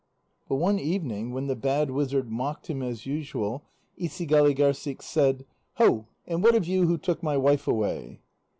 But one evening when the bad wizard mocked him as usual Isigâligârssik said: "Ho, and what of you who took my wife away?"